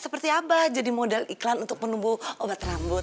seperti apa jadi model iklan untuk penumbuh obat rambut